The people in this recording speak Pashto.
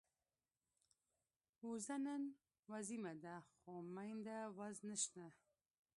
وزه نن وزيمه ده، خو مينده وز نشته